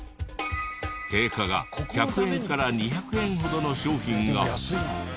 定価が１００円から２００円ほどの商品が。